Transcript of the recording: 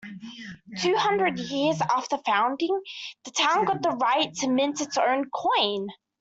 Two hundred years after founding, the town got the right to mint its own coin.